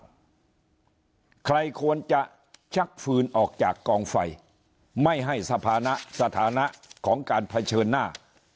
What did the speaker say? ใครควรจะชักฟืนออกจากกองไฟไม่ให้สถานะสถานะของการเผชิญหน้า